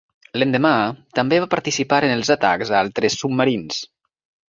L'endemà, també va participar en els atacs a altres submarins.